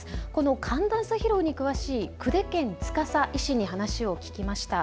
寒暖差疲労に詳しい久手堅司医師に話を聞きました。